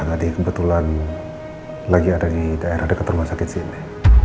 tadi kebetulan lagi ada di daerah dekat rumah sakit sini